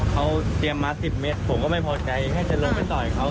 เขาเตรียมมา๑๐เมตรผมก็ไม่พอใจแค่จะลงไปต่อยเขา